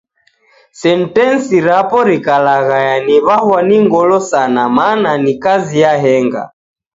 Sentensi rapo rikalaghaya ni'waw'a ni ngolo sana mana ni kazi yahenga.